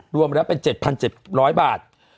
รวมแล้วเป็น๗๗๐๐บาท